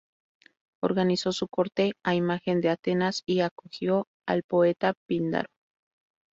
Organizó su corte a imagen de Atenas y acogió al poeta Píndaro.